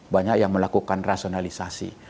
banyak yang melakukan rasionalisasi